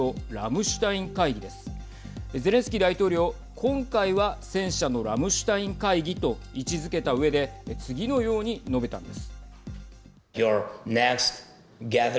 今回は戦車のラムシュタイン会議と位置づけたうえで次のように述べたんです。